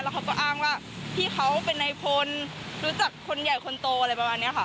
เขาก็อ้างว่าพี่เขาเป็นนายพลรู้จักคนใหญ่คนโตอะไรประมาณนี้ค่ะ